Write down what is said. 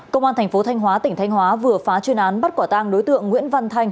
công an thành phố thanh hóa tỉnh thanh hóa vừa phá chuyên án bắt quả tang đối tượng nguyễn văn thanh